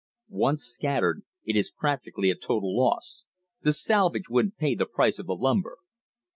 Once scattered, it is practically a total loss. The salvage wouldn't pay the price of the lumber."